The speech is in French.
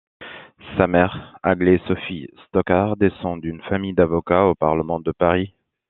Sa mère Aglaë-Sophie Stocard descend d’une famille d’avocat au Parlement de Paris.